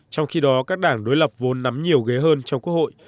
trong khi đó các đảng đối lập vốn nắm nhiều ghế hơn trong quốc hội